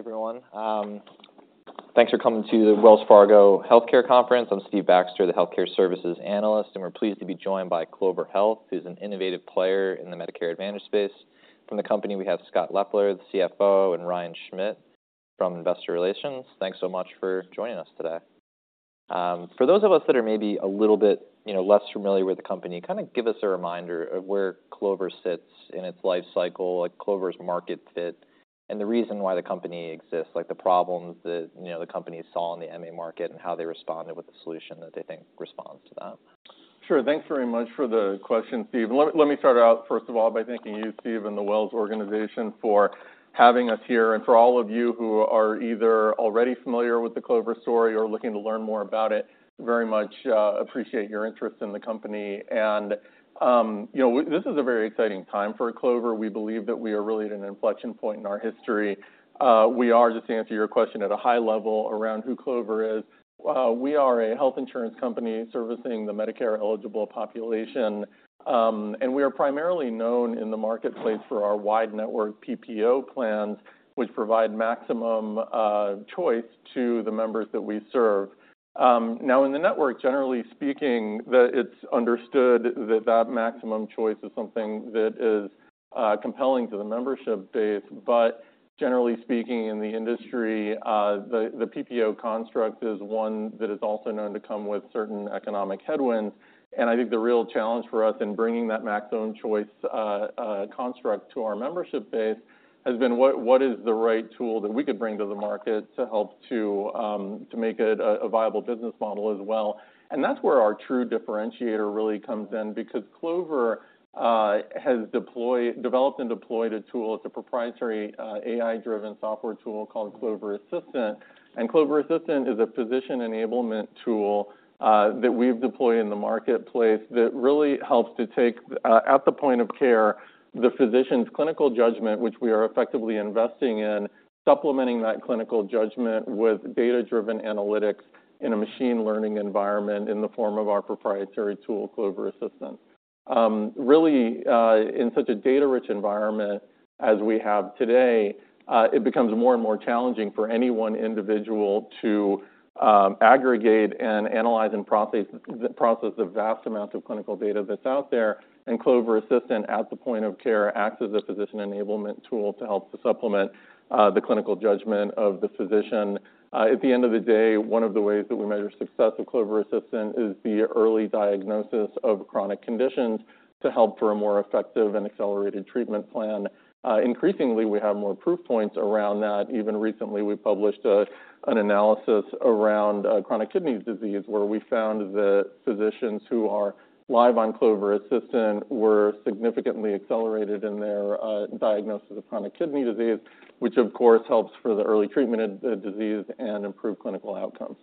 Everyone, thanks for coming to the Wells Fargo Healthcare Conference. I'm Steve Baxter, the healthcare services analyst, and we're pleased to be joined by Clover Health, who's an innovative player in the Medicare Advantage space. From the company, we have Scott Leffler, the CFO, and Ryan Schmidt from Investor Relations. Thanks so much for joining us today. For those of us that are maybe a little bit, you know, less familiar with the company, kind of give us a reminder of where Clover sits in its life cycle, like, Clover's market fit, and the reason why the company exists, like, the problems that, you know, the company saw in the MA market and how they responded with the solution that they think responds to that. Sure. Thanks very much for the question, Steve. Let me, let me start out, first of all, by thanking you, Steve, and the Wells organization, for having us here. For all of you who are either already familiar with the Clover story or looking to learn more about it, very much appreciate your interest in the company. You know, this is a very exciting time for Clover. We believe that we are really at an inflection point in our history. We are, just to answer your question at a high level around who Clover is, we are a health insurance company servicing the Medicare-eligible population, and we are primarily known in the marketplace for our wide network PPO plans, which provide maximum choice to the members that we serve. Now, in the network, generally speaking, it's understood that that maximum choice is something that is, compelling to the membership base. But generally speaking, in the industry, the PPO construct is one that is also known to come with certain economic headwinds. And I think the real challenge for us in bringing that maximum choice, construct to our membership base has been what is the right tool that we could bring to the market to help to, to make it a viable business model as well. And that's where our true differentiator really comes in, because Clover, has developed and deployed a tool. It's a proprietary, AI-driven software tool called Clover Assistant. Clover Assistant is a physician enablement tool that we've deployed in the marketplace that really helps to take, at the point of care, the physician's clinical judgment, which we are effectively investing in, supplementing that clinical judgment with data-driven analytics in a machine learning environment, in the form of our proprietary tool, Clover Assistant. Really, in such a data-rich environment as we have today, it becomes more and more challenging for any one individual to aggregate and analyze and process the vast amount of clinical data that's out there. Clover Assistant, at the point of care, acts as a physician enablement tool to help to supplement the clinical judgment of the physician. At the end of the day, one of the ways that we measure success with Clover Assistant is the early diagnosis of chronic conditions to help for a more effective and accelerated treatment plan. Increasingly, we have more proof points around that. Even recently, we published an analysis around chronic kidney disease, where we found that physicians who are live on Clover Assistant were significantly accelerated in their diagnosis of chronic kidney disease, which, of course, helps for the early treatment of the disease and improved clinical outcomes.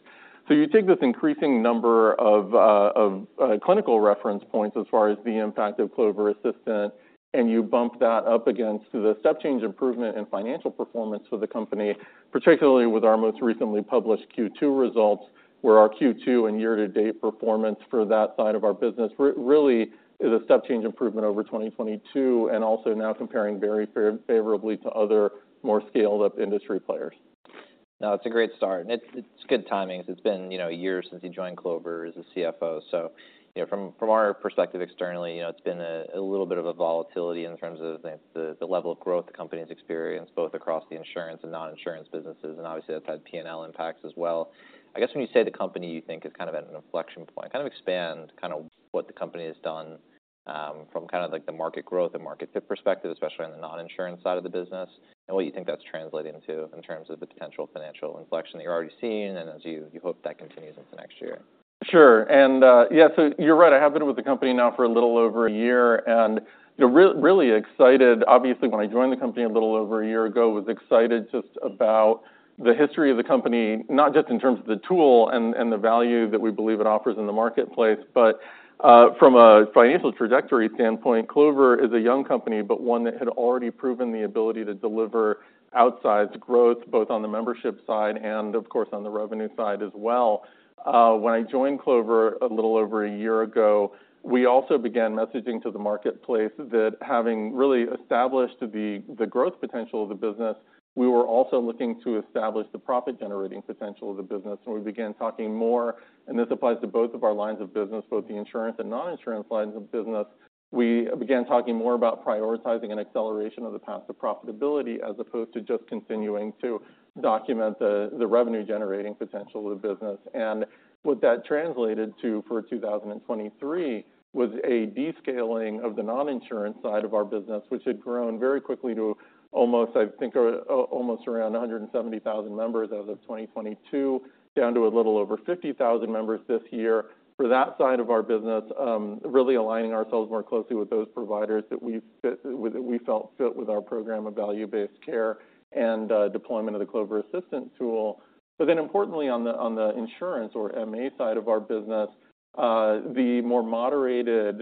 So you take this increasing number of clinical reference points as far as the impact of Clover Assistant, and you bump that up against the step change improvement in financial performance for the company, particularly with our most recently published Q2 results, where our Q2 and year-to-date performance for that side of our business really is a step change improvement over 2022, and also now comparing very favorably to other, more scaled-up industry players. No, it's a great start, and it's good timing, because it's been, you know, a year since you joined Clover as a CFO. So, you know, from our perspective externally, you know, it's been a little bit of a volatility in terms of the level of growth the company has experienced, both across the insurance and non-insurance businesses, and obviously, that's had P&L impacts as well. I guess when you say the company you think is kind of at an inflection point, kind of expand kind of what the company has done from kind of, like, the market growth and market fit perspective, especially on the non-insurance side of the business, and what you think that's translating to in terms of the potential financial inflection that you're already seeing and as you hope that continues into next year. Sure. And, yeah, so you're right. I have been with the company now for a little over a year, and really, really excited. Obviously, when I joined the company a little over a year ago, was excited just about the history of the company, not just in terms of the tool and the value that we believe it offers in the marketplace, but, from a financial trajectory standpoint, Clover is a young company, but one that had already proven the ability to deliver outsized growth, both on the membership side and, of course, on the revenue side as well. When I joined Clover a little over a year ago, we also began messaging to the marketplace that having really established the growth potential of the business, we were also looking to establish the profit-generating potential of the business. We began talking more, and this applies to both of our lines of business, both the insurance and non-insurance lines of business. We began talking more about prioritizing an acceleration of the path to profitability, as opposed to just continuing to document the revenue-generating potential of the business. What that translated to for 2023 was a descaling of the non-insurance side of our business, which had grown very quickly to almost, I think, almost around 170,000 members as of 2022, down to a little over 50,000 members this year. For that side of our business, really aligning ourselves more closely with those providers that we fit with, that we felt fit with our program of value-based care and deployment of the Clover Assistant tool. But then importantly, on the insurance or MA side of our business, the more moderated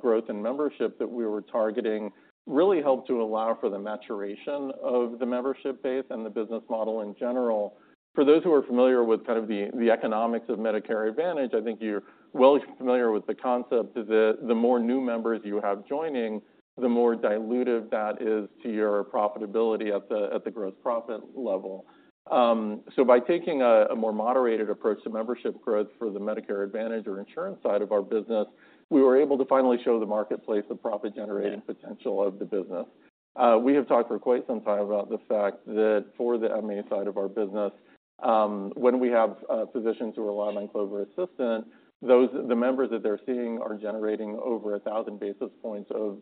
growth in membership that we were targeting really helped to allow for the maturation of the membership base and the business model in general. For those who are familiar with kind of the economics of Medicare Advantage, I think you're well familiar with the concept, is that the more new members you have joining, the more dilutive that is to your profitability at the gross profit level. So by taking a more moderated approach to membership growth for the Medicare Advantage or insurance side of our business, we were able to finally show the marketplace the profit-generating potential of the business. We have talked for quite some time about the fact that for the MA side of our business, when we have physicians who are relying on Clover Assistant, those-- the members that they're seeing are generating over 1,000 basis points of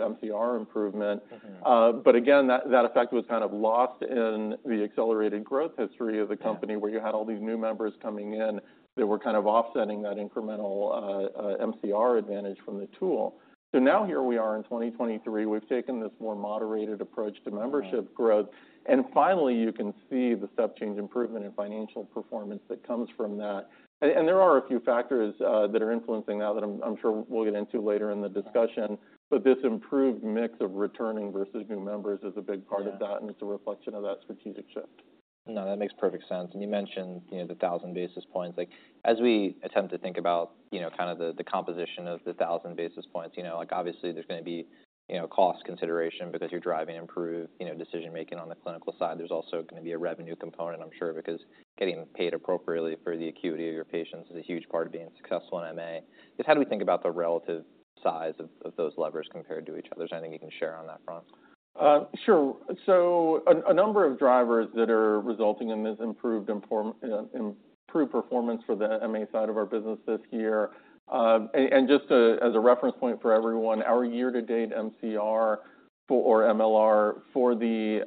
MCR improvement. Mm-hmm. But again, that effect was kind of lost in the accelerated growth history of the company- Yeah - where you had all these new members coming in that were kind of offsetting that incremental MCR advantage from the tool. So now here we are in 2023, we've taken this more moderated approach to membership growth. And finally, you can see the step change improvement in financial performance that comes from that. And there are a few factors that are influencing that that I'm sure we'll get into later in the discussion. But this improved mix of returning versus new members is a big part of that- Yeah It's a reflection of that strategic shift. No, that makes perfect sense. And you mentioned, you know, the 1,000 basis points. Like, as we attempt to think about, you know, kind of the composition of the 1,000 basis points, you know, like, obviously, there's gonna be, you know, cost consideration because you're driving improved, you know, decision-making on the clinical side. There's also gonna be a revenue component, I'm sure, because getting paid appropriately for the acuity of your patients is a huge part of being successful in MA. Just how do we think about the relative size of those levers compared to each other? Is there anything you can share on that front? Sure. So a number of drivers that are resulting in this improved performance for the MA side of our business this year. And just as a reference point for everyone, our year-to-date MCR or MLR for the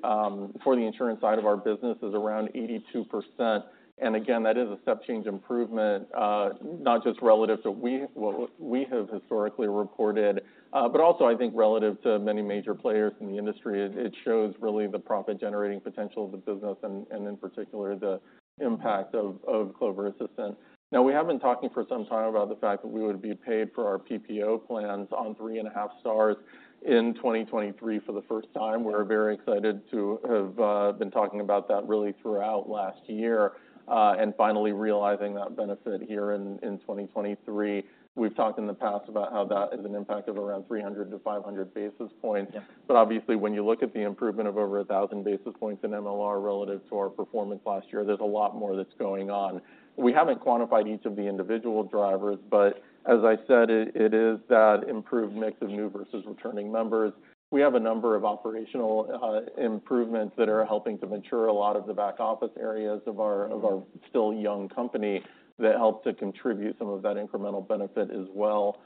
insurance side of our business is around 82%. And again, that is a step change improvement, not just relative to what we have historically reported, but also I think relative to many major players in the industry. It shows really the profit-generating potential of the business and in particular the impact of Clover Assistant. Now, we have been talking for some time about the fact that we would be paid for our PPO plans on three and a half stars in 2023 for the first time. We're very excited to have been talking about that really throughout last year, and finally realizing that benefit here in 2023. We've talked in the past about how that is an impact of around 300-500 basis points. Yeah. But obviously, when you look at the improvement of over 1,000 basis points in MLR relative to our performance last year, there's a lot more that's going on. We haven't quantified each of the individual drivers, but as I said, it, it is that improved mix of new versus returning members. We have a number of operational improvements that are helping to mature a lot of the back office areas of our- Mm-hmm... of our still young company, that help to contribute some of that incremental benefit as well.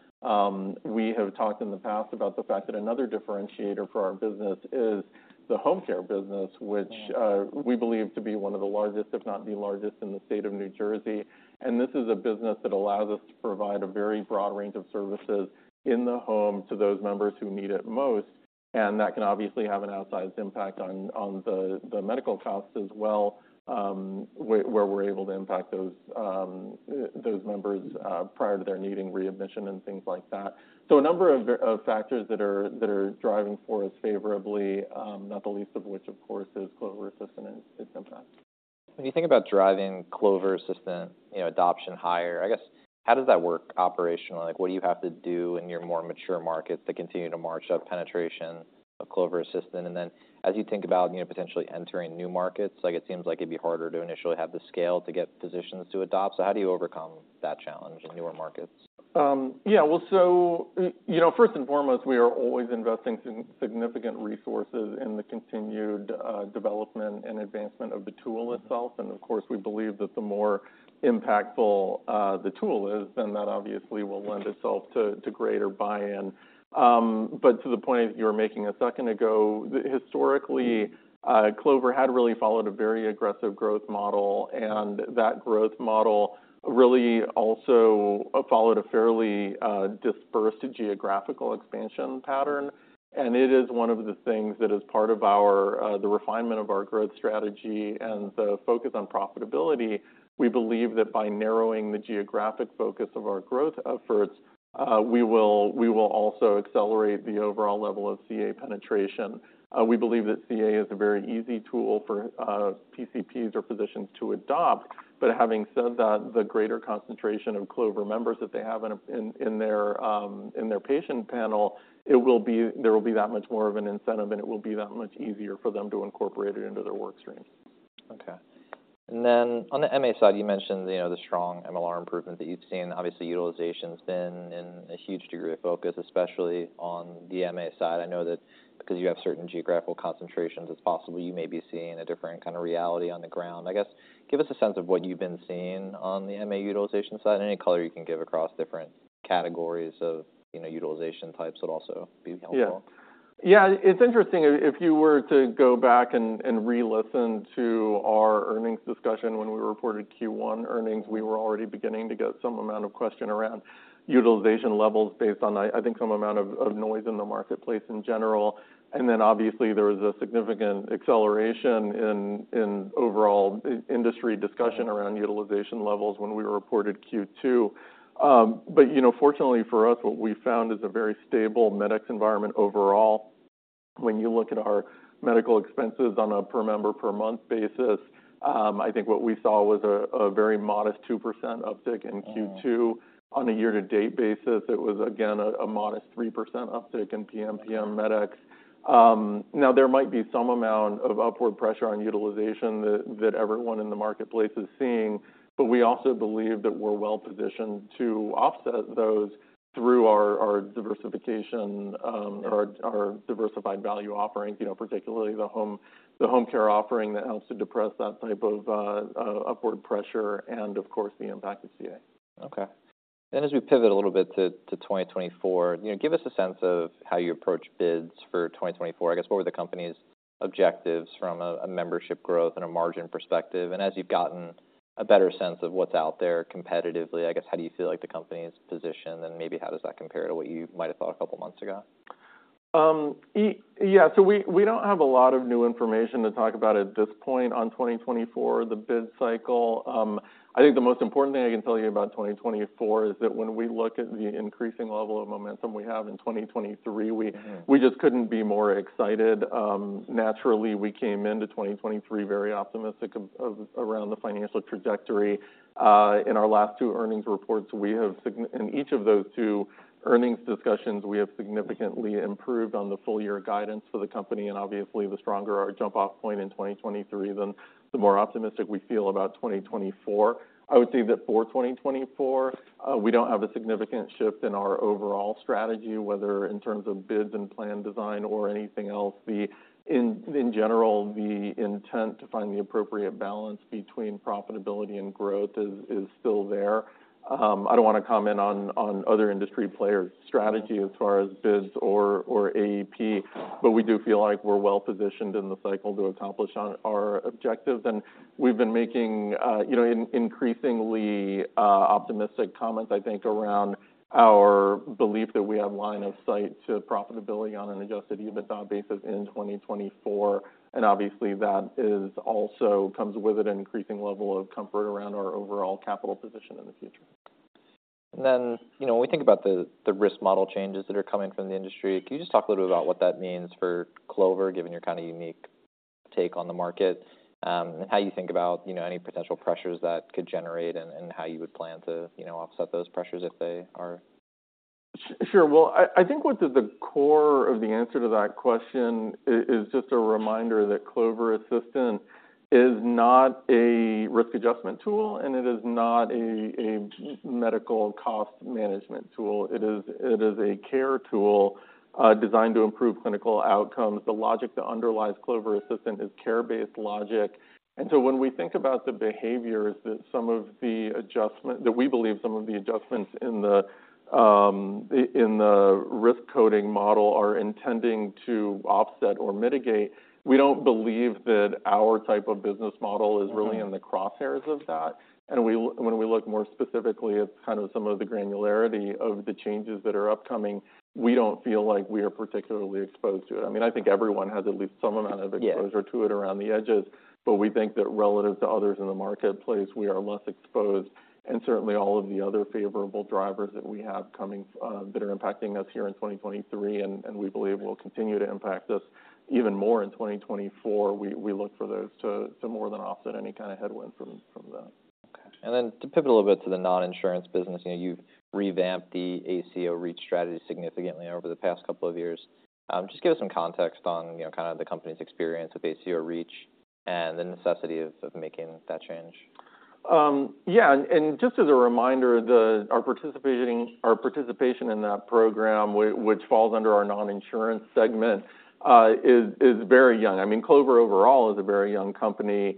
We have talked in the past about the fact that another differentiator for our business is the home care business, which, we believe to be one of the largest, if not the largest, in the state of New Jersey. This is a business that allows us to provide a very broad range of services in the home to those members who need it most, and that can obviously have an outsized impact on the medical costs as well, where we're able to impact those members prior to their needing readmission and things like that. A number of factors that are driving for us favorably, not the least of which, of course, is Clover Assistant and its impact. When you think about driving Clover Assistant, you know, adoption higher, I guess, how does that work operationally? Like, what do you have to do in your more mature markets to continue to march up penetration of Clover Assistant? And then as you think about, you know, potentially entering new markets, like, it seems like it'd be harder to initially have the scale to get physicians to adopt. So how do you overcome that challenge in newer markets? Yeah. Well, so, you know, first and foremost, we are always investing in significant resources in the continued development and advancement of the tool itself. Mm-hmm. Of course, we believe that the more impactful, the tool is, then that obviously will lend itself to, to greater buy-in. But to the point you were making a second ago, historically, Clover had really followed a very aggressive growth model, and that growth model really also followed a fairly, dispersed geographical expansion pattern. It is one of the things that is part of our, the refinement of our growth strategy and the focus on profitability. We believe that by narrowing the geographic focus of our growth efforts, we will, we will also accelerate the overall level of CA penetration. We believe that CA is a very easy tool for, PCPs or physicians to adopt. But having said that, the greater concentration of Clover members that they have in their patient panel, there will be that much more of an incentive, and it will be that much easier for them to incorporate it into their work stream. Okay. And then on the MA side, you mentioned, you know, the strong MLR improvement that you've seen. Obviously, utilization's been in a huge degree of focus, especially on the MA side. I know that because you have certain geographical concentrations, it's possible you may be seeing a different kind of reality on the ground. I guess, give us a sense of what you've been seeing on the MA utilization side? Any color you can give across different categories of, you know, utilization types would also be helpful. Yeah. Yeah, it's interesting. If you were to go back and relisten to our earnings discussion when we reported Q1 earnings, we were already beginning to get some amount of question around utilization levels based on, I think, some amount of noise in the marketplace in general. And then obviously, there was a significant acceleration in overall industry discussion around utilization levels when we reported Q2. But you know, fortunately for us, what we found is a very stable Medicare environment overall. When you look at our medical expenses on a per member per month basis, I think what we saw was a very modest 2% uptick in Q2. On a year-to-date basis, it was, again, a modest 3% uptick in PMPM medic. Now, there might be some amount of upward pressure on utilization that everyone in the marketplace is seeing, but we also believe that we're well-positioned to offset those through our diversification, our diversified value offerings, you know, particularly the home care offering that helps to depress that type of upward pressure and of course, the impact of CA. Okay. And as we pivot a little bit to 2024, you know, give us a sense of how you approach bids for 2024. I guess, what were the company's objectives from a membership growth and a margin perspective? And as you've gotten a better sense of what's out there competitively, I guess, how do you feel like the company's positioned, and maybe how does that compare to what you might have thought a couple of months ago? Yeah, so we don't have a lot of new information to talk about at this point on 2024, the bid cycle. I think the most important thing I can tell you about 2024 is that when we look at the increasing level of momentum we have in 2023, we- Mm-hmm. We just couldn't be more excited. Naturally, we came into 2023 very optimistic of around the financial trajectory. In each of those two earnings discussions, we have significantly improved on the full year guidance for the company, and obviously, the stronger our jump-off point in 2023, then the more optimistic we feel about 2024. I would say that for 2024, we don't have a significant shift in our overall strategy, whether in terms of bids and plan design or anything else. In general, the intent to find the appropriate balance between profitability and growth is still there. I don't wanna comment on other industry players' strategy as far as bids or AEP, but we do feel like we're well-positioned in the cycle to accomplish on our objectives. And we've been making, you know, increasingly optimistic comments, I think, around our belief that we have line of sight to profitability on an adjusted EBITDA basis in 2024, and obviously, that is also comes with it an increasing level of comfort around our overall capital position in the future. And then, you know, when we think about the risk model changes that are coming from the industry, can you just talk a little bit about what that means for Clover, given your kind of unique take on the market, and how you think about, you know, any potential pressures that could generate, and how you would plan to, you know, offset those pressures if they are? Sure. Well, I think what the core of the answer to that question is just a reminder that Clover Assistant is not a risk adjustment tool, and it is not a medical cost management tool. It is a care tool designed to improve clinical outcomes. The logic that underlies Clover Assistant is care-based logic. And so when we think about the behaviors that we believe some of the adjustments in the risk coding model are intending to offset or mitigate, we don't believe that our type of business model is really- Mm-hmm. in the crosshairs of that. And when we look more specifically at kind of some of the granularity of the changes that are upcoming, we don't feel like we are particularly exposed to it. I mean, I think everyone has at least some amount of- Yeah exposure to it around the edges, but we think that relative to others in the marketplace, we are less exposed. And certainly, all of the other favorable drivers that we have coming, that are impacting us here in 2023, and we believe will continue to impact us even more in 2024, we look for those to more than offset any kind of headwind from that. Okay. And then to pivot a little bit to the non-insurance business, you know, you've revamped the ACO REACH strategy significantly over the past couple of years. Just give us some context on, you know, kind of the company's experience with ACO REACH and the necessity of making that change? Yeah, and just as a reminder, our participation in that program, which falls under our non-insurance segment, is very young. I mean, Clover overall is a very young company,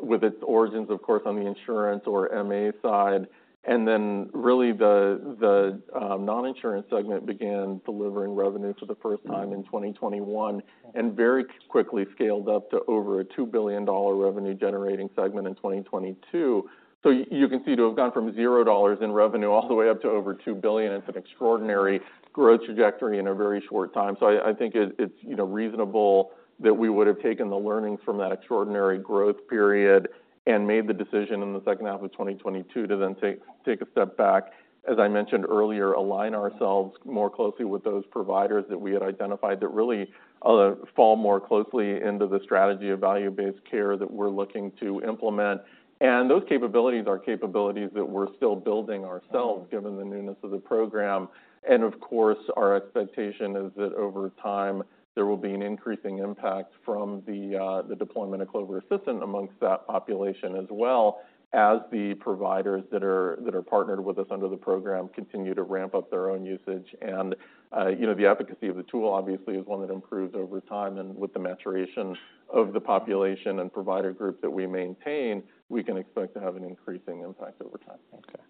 with its origins, of course, on the insurance or MA side. And then, really, the non-insurance segment began delivering revenue for the first time- Mm-hmm... in 2021, and very quickly scaled up to over a $2 billion revenue-generating segment in 2022. So you can see to have gone from $0 in revenue all the way up to over $2 billion, it's an extraordinary growth trajectory in a very short time. So I think it's, you know, reasonable that we would have taken the learnings from that extraordinary growth period and made the decision in the second half of 2022 to then take a step back, as I mentioned earlier, align ourselves more closely with those providers that we had identified, that really fall more closely into the strategy of value-based care that we're looking to implement. And those capabilities are capabilities that we're still building ourselves- Mm-hmm. Given the newness of the program. And of course, our expectation is that over time, there will be an increasing impact from the deployment of Clover Assistant among that population, as well as the providers that are partnered with us under the program continue to ramp up their own usage. And you know, the efficacy of the tool, obviously, is one that improves over time. And with the maturation of the population and provider group that we maintain, we can expect to have an increasing impact over time. Okay.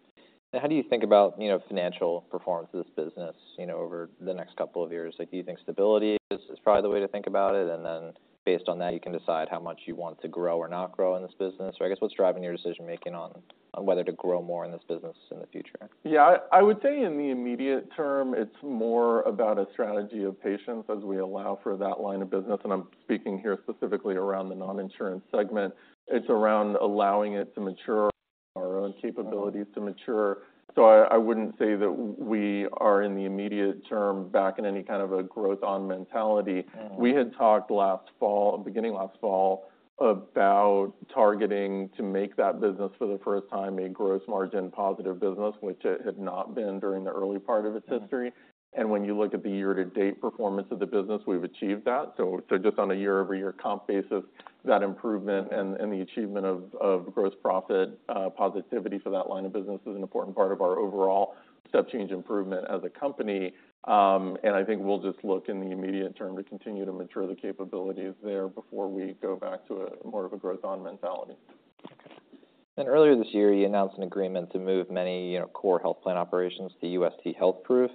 Now, how do you think about, you know, financial performance of this business, you know, over the next couple of years? Like, do you think stability is probably the way to think about it, and then based on that, you can decide how much you want to grow or not grow in this business? Or I guess, what's driving your decision-making on whether to grow more in this business in the future? Yeah. I, I would say in the immediate term, it's more about a strategy of patience as we allow for that line of business, and I'm speaking here specifically around the non-insurance segment. It's around allowing it to mature... our own capabilities to mature. So I, I wouldn't say that we are, in the immediate term, back in any kind of a growth on mentality. Mm-hmm. We had talked last fall, beginning last fall, about targeting to make that business for the first time, a gross margin positive business, which it had not been during the early part of its history. And when you look at the year-to-date performance of the business, we've achieved that. So, just on a year-over-year comp basis, that improvement and the achievement of gross profit positivity for that line of business is an important part of our overall step change improvement as a company. And I think we'll just look in the immediate term to continue to mature the capabilities there before we go back to a more of a growth on mentality. Earlier this year, you announced an agreement to move many, you know, core health plan operations to UST HealthProof.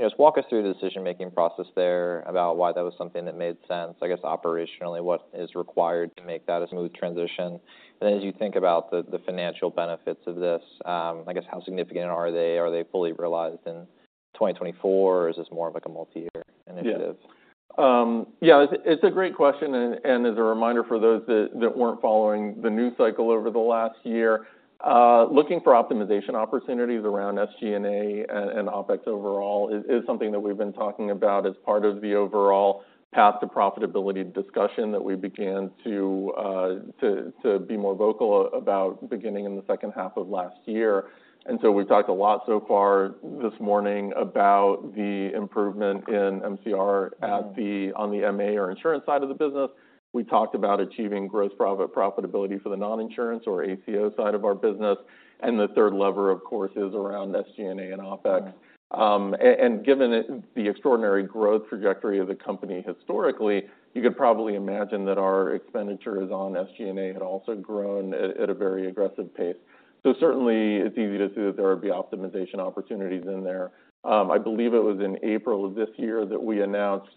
Just walk us through the decision-making process there, about why that was something that made sense, I guess, operationally, what is required to make that a smooth transition? And then as you think about the financial benefits of this, I guess, how significant are they? Are they fully realized in 2024, or is this more of like a multi-year initiative? Yeah, it's a great question, and as a reminder for those that weren't following the news cycle over the last year, looking for optimization opportunities around SG&A and OpEx overall is something that we've been talking about as part of the overall path to profitability discussion that we began to be more vocal about beginning in the second half of last year. And so we've talked a lot so far this morning about the improvement in MCR on the MA or insurance side of the business. We talked about achieving gross profit profitability for the non-insurance or ACO side of our business, and the third lever, of course, is around SG&A and OpEx. And given the extraordinary growth trajectory of the company historically, you could probably imagine that our expenditures on SG&A had also grown at a very aggressive pace. So certainly, it's easy to see that there would be optimization opportunities in there. I believe it was in April of this year that we announced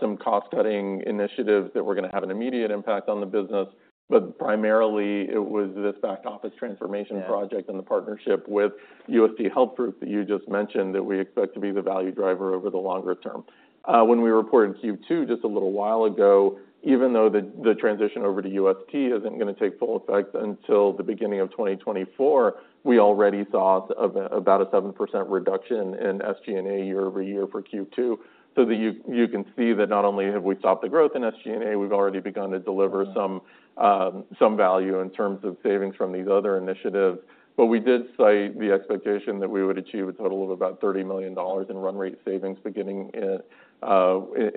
some cost-cutting initiatives that were gonna have an immediate impact on the business, but primarily it was this back office transformation project- Yeah - and the partnership with UST HealthProof that you just mentioned, that we expect to be the value driver over the longer term. When we reported Q2, just a little while ago, even though the transition over to UST isn't gonna take full effect until the beginning of 2024, we already saw about a 7% reduction in SG&A year-over-year for Q2. So that you can see that not only have we stopped the growth in SG&A, we've already begun to deliver- Mm-hmm... some, some value in terms of savings from these other initiatives. But we did cite the expectation that we would achieve a total of about $30 million in run rate savings, beginning in,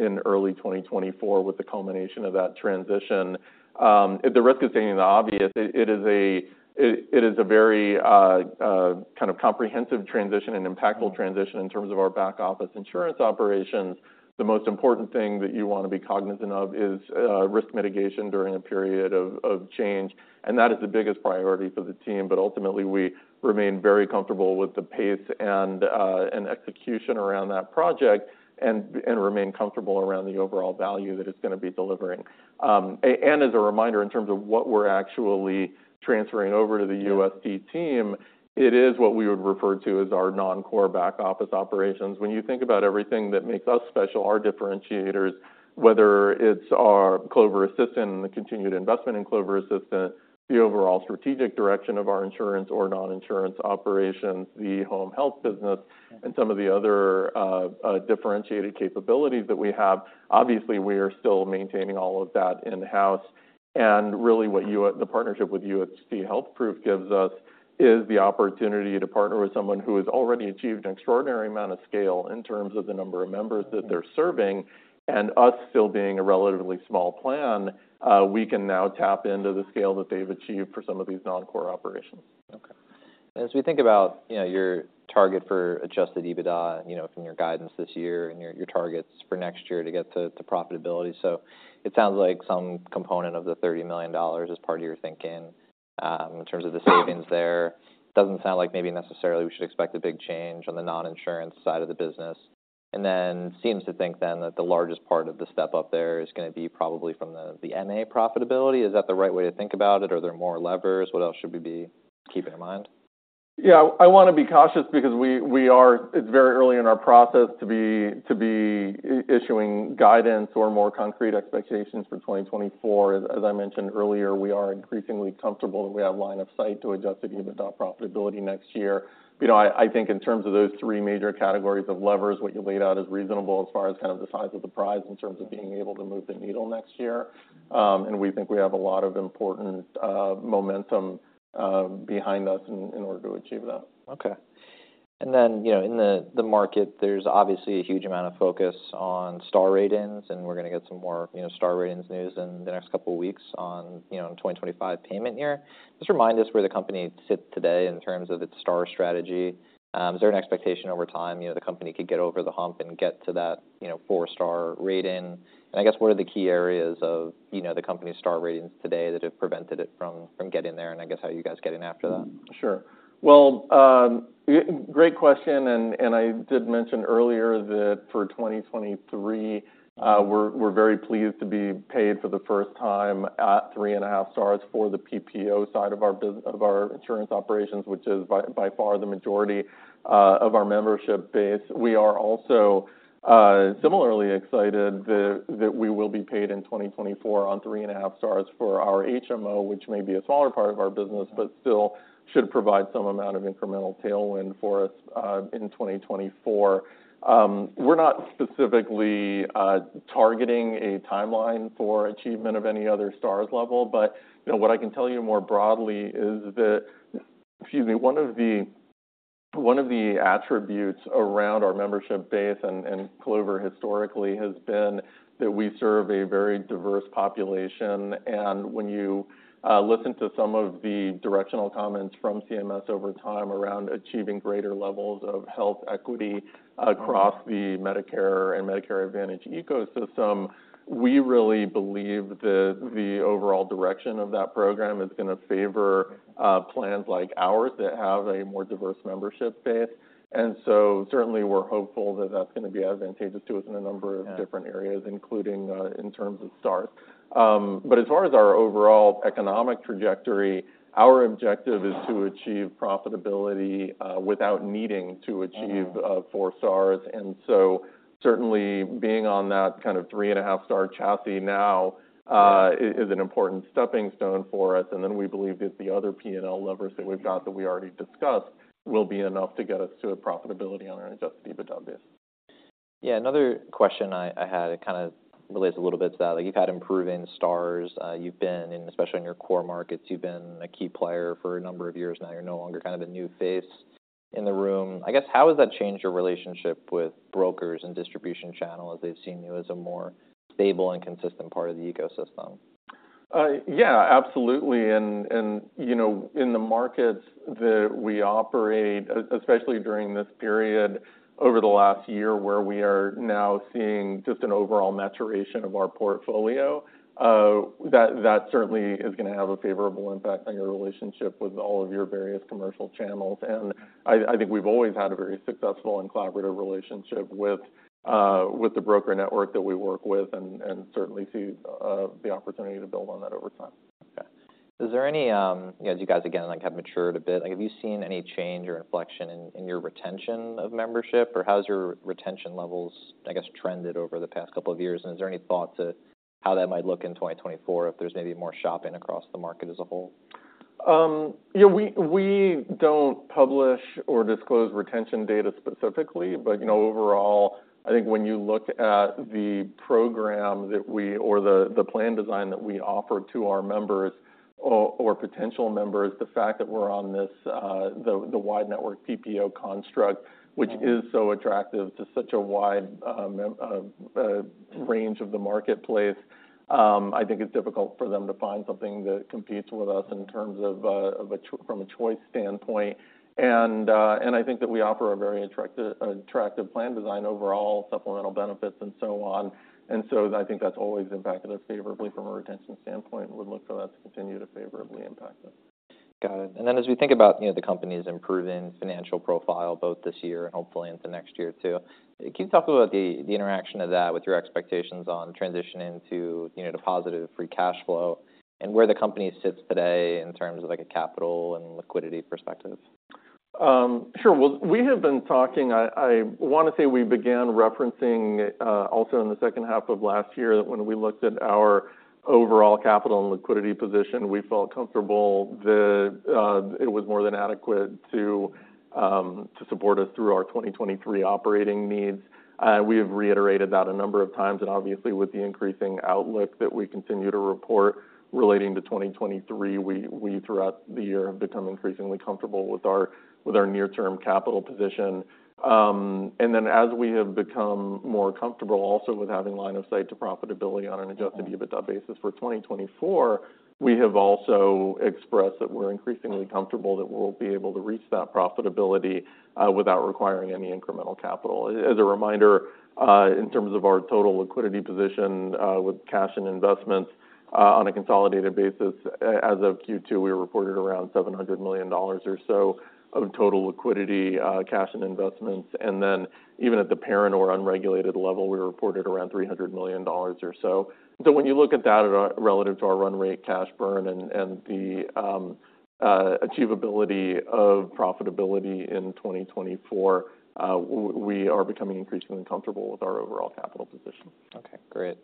in early 2024, with the culmination of that transition. At the risk of stating the obvious, it is a very kind of comprehensive transition and impactful transition- Mm-hmm In terms of our back office insurance operations. The most important thing that you want to be cognizant of is risk mitigation during a period of change, and that is the biggest priority for the team. But ultimately, we remain very comfortable with the pace and execution around that project, and remain comfortable around the overall value that it's gonna be delivering. And as a reminder, in terms of what we're actually transferring over to the UST team, it is what we would refer to as our non-core back office operations. When you think about everything that makes us special, our differentiators, whether it's our Clover Assistant and the continued investment in Clover Assistant, the overall strategic direction of our insurance or non-insurance operations, the home health business- Mm-hmm and some of the other differentiated capabilities that we have, obviously, we are still maintaining all of that in-house. And really, what the partnership with UST HealthProof gives us is the opportunity to partner with someone who has already achieved an extraordinary amount of scale in terms of the number of members that they're serving, and us still being a relatively small plan, we can now tap into the scale that they've achieved for some of these non-core operations. Okay. As we think about, you know, your target for adjusted EBITDA, you know, from your guidance this year and your, your targets for next year to get to, to profitability. So it sounds like some component of the $30 million is part of your thinking in terms of the savings there. Doesn't sound like maybe necessarily we should expect a big change on the non-insurance side of the business. And then seems to think then that the largest part of the step up there is gonna be probably from the, the MA profitability. Is that the right way to think about it, or are there more levers? What else should we be keeping in mind? Yeah, I want to be cautious because we are—it's very early in our process to be issuing guidance or more concrete expectations for 2024. As I mentioned earlier, we are increasingly comfortable that we have line of sight to Adjusted EBITDA profitability next year. You know, I think in terms of those three major categories of levers, what you laid out is reasonable as far as kind of the size of the prize in terms of being able to move the needle next year. And we think we have a lot of important momentum behind us in order to achieve that. Okay. And then, you know, in the market, there's obviously a huge amount of focus on star ratings, and we're gonna get some more, you know, star ratings news in the next couple of weeks on, you know, 2025 payment year. Just remind us where the company sits today in terms of its star strategy Is there an expectation over time, you know, the company could get over the hump and get to that, you know, four-star rating? And I guess, what are the key areas of, you know, the company's star ratings today that have prevented it from getting there, and I guess how you guys getting after that? Sure. Well, great question, and, and I did mention earlier that for 2023, we're, we're very pleased to be paid for the first time at three and a half stars for the PPO side of our business of our insurance operations, which is by, by far the majority of our membership base. We are also, similarly excited that, that we will be paid in 2024 on three and a half stars for our HMO, which may be a smaller part of our business, but still should provide some amount of incremental tailwind for us, in 2024. We're not specifically targeting a timeline for achievement of any other stars level, but, you know, what I can tell you more broadly is that, excuse me, one of the attributes around our membership base and Clover historically has been that we serve a very diverse population. And when you listen to some of the directional comments from CMS over time around achieving greater levels of health equity across the Medicare and Medicare Advantage ecosystem, we really believe that the overall direction of that program is gonna favor plans like ours that have a more diverse membership base. And so certainly we're hopeful that that's gonna be advantageous to us in a number of different areas, including in terms of stars. But as far as our overall economic trajectory, our objective is to achieve profitability without needing to achieve four stars. And so certainly being on that kind of three-and-a-half-star chassis now is an important stepping stone for us, and then we believe that the other P&L levers that we've got, that we already discussed, will be enough to get us to profitability on an Adjusted EBITDA basis. Yeah. Another question I had, it kind of relates a little bit to that. You've had improving stars. You've been, and especially in your core markets, you've been a key player for a number of years now. You're no longer kind of a new face in the room. I guess, how has that changed your relationship with brokers and distribution channel, as they've seen you as a more stable and consistent part of the ecosystem? Yeah, absolutely. And, you know, in the markets that we operate, especially during this period over the last year, where we are now seeing just an overall maturation of our portfolio, that certainly is gonna have a favorable impact on your relationship with all of your various commercial channels. And I think we've always had a very successful and collaborative relationship with the broker network that we work with, and certainly see the opportunity to build on that over time. Okay. Is there any, As you guys, again, like, have matured a bit, like, have you seen any change or inflection in, in your retention of membership, or how has your retention levels, I guess, trended over the past couple of years? And is there any thought to how that might look in 2024, if there's maybe more shopping across the market as a whole? Yeah, we don't publish or disclose retention data specifically, but, you know, overall, I think when you look at the plan design that we offer to our members or potential members, the fact that we're on this wide network PPO construct, which is so attractive to such a wide range of the marketplace, I think it's difficult for them to find something that competes with us in terms of a choice standpoint. And I think that we offer a very attractive plan design overall, supplemental benefits, and so on. And so I think that's always impacted us favorably from a retention standpoint, and we look for that to continue to favorably impact us. Got it. And then as we think about, you know, the company's improving financial profile, both this year and hopefully into next year too, can you talk about the interaction of that with your expectations on transitioning to, you know, to positive free cash flow and where the company sits today in terms of, like, a capital and liquidity perspective? Sure. Well, we have been talking. I want to say we began referencing also in the second half of last year, that when we looked at our overall capital and liquidity position, we felt comfortable that it was more than adequate to support us through our 2023 operating needs. We have reiterated that a number of times, and obviously, with the increasing outlook that we continue to report relating to 2023, we throughout the year have become increasingly comfortable with our near-term capital position. And then as we have become more comfortable also with having line of sight to profitability on an Adjusted EBITDA basis for 2024, we have also expressed that we're increasingly comfortable that we'll be able to reach that profitability without requiring any incremental capital. As a reminder, in terms of our total liquidity position, with cash and investments, on a consolidated basis, as of Q2, we reported around $700 million or so of total liquidity, cash and investments, and then even at the parent or unregulated level, we reported around $300 million or so. So when you look at that relative to our run rate, cash burn and the achievability of profitability in 2024, we are becoming increasingly comfortable with our overall capital position. Okay, great.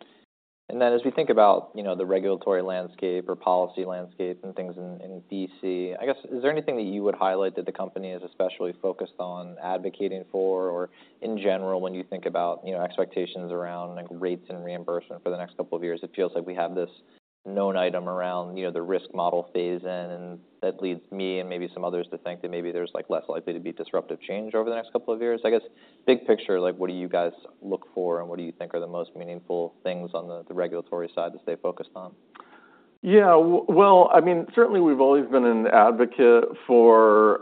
And then as we think about, you know, the regulatory landscape or policy landscape and things in, in D.C., I guess, is there anything that you would highlight that the company is especially focused on advocating for? Or in general, when you think about, you know, expectations around, like, rates and reimbursement for the next couple of years, it feels like we have this known item around, you know, the risk model phase in, and that leads me, and maybe some others, to think that maybe there's, like, less likely to be disruptive change over the next couple of years. I guess, big picture, like, what do you guys look for, and what do you think are the most meaningful things on the, the regulatory side to stay focused on? Yeah. Well, I mean, certainly we've always been an advocate for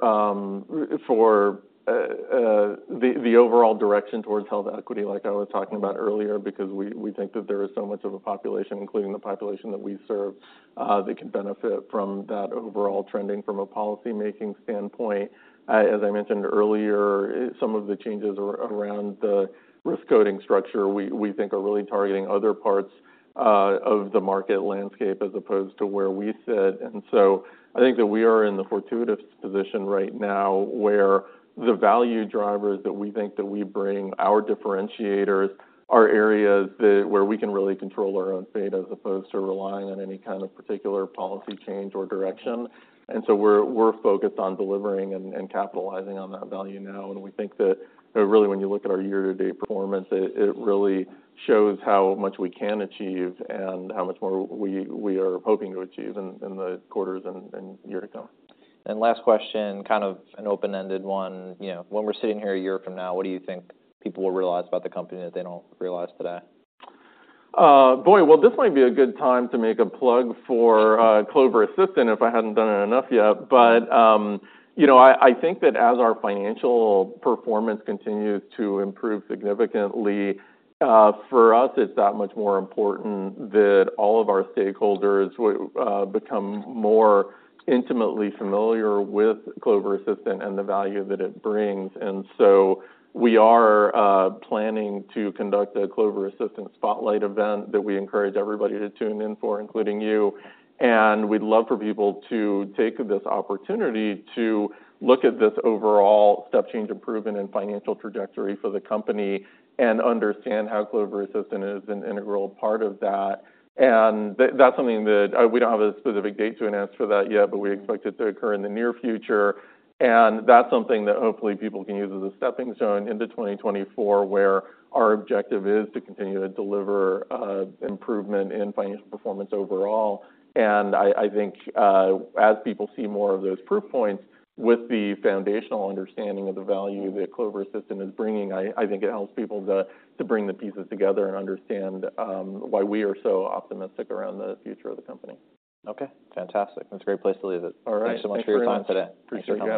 the overall direction towards health equity, like I was talking about earlier, because we think that there is so much of a population, including the population that we serve, that can benefit from that overall trending from a policymaking standpoint. As I mentioned earlier, some of the changes around the risk coding structure, we think are really targeting other parts of the market landscape as opposed to where we sit. And so I think that we are in the fortuitous position right now, where the value drivers that we think that we bring, our differentiators, are areas that where we can really control our own fate, as opposed to relying on any kind of particular policy change or direction. And so we're focused on delivering and capitalizing on that value now, and we think that really, when you look at our year-to-date performance, it really shows how much we can achieve and how much more we are hoping to achieve in the quarters and year to come. Last question, kind of an open-ended one. You know, when we're sitting here a year from now, what do you think people will realize about the company that they don't realize today? Boy! Well, this might be a good time to make a plug for Clover Assistant, if I hadn't done it enough yet. But you know, I think that as our financial performance continues to improve significantly, for us, it's that much more important that all of our stakeholders become more intimately familiar with Clover Assistant and the value that it brings. And so we are planning to conduct a Clover Assistant spotlight event that we encourage everybody to tune in for, including you. And we'd love for people to take this opportunity to look at this overall step change improvement and financial trajectory for the company, and understand how Clover Assistant is an integral part of that. And that's something that we don't have a specific date to announce for that yet, but we expect it to occur in the near future. And that's something that hopefully people can use as a stepping stone into 2024, where our objective is to continue to deliver improvement in financial performance overall. And I think as people see more of those proof points with the foundational understanding of the value that Clover Assistant is bringing, I think it helps people to bring the pieces together and understand why we are so optimistic around the future of the company. Okay, fantastic. That's a great place to leave it. All right. Thanks so much for your time today. Appreciate you having me.